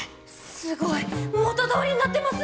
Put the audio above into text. すごい。元通りになってます！